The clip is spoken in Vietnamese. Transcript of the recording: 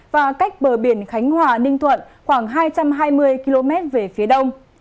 và cách bờ biển khánh hòa ninh thuận khoảng hai trăm hai mươi km về phía đông